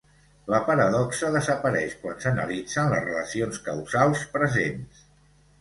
La paradoxa desapareix quan s'analitzen les relacions causals presents.